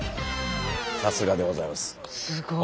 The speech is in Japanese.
さすがでございます。